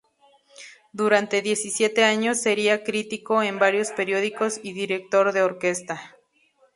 Durante diecisiete años sería crítico en varios periódicos y director de orquesta.